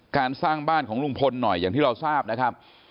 สร้างบ้านของลุงพลหน่อยอย่างที่เราทราบนะครับ